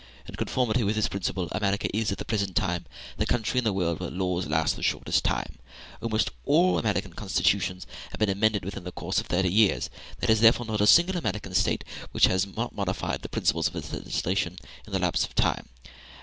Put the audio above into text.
In conformity with this principle, America is, at the present day, the country in the world where laws last the shortest time. Almost all the American constitutions have been amended within the course of thirty years: there is therefore not a single American State which has not modified the principles of its legislation in that lapse of time.